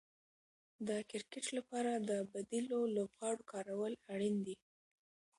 د کرکټ لپاره د بديلو لوبغاړو کارول اړين دي.